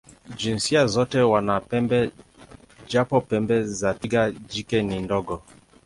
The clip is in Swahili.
Jinsia zote wana pembe, japo pembe za twiga jike ni ndogo.